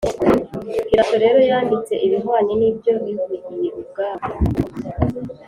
pilato rero yanditse ibihwanye n’ibyo bivugiye ubwabo